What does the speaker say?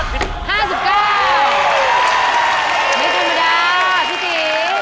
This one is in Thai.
ไม่ธรรมดาพี่ตี